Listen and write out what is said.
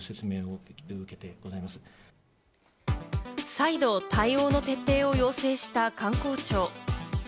再度、対応の徹底を要請した観光庁。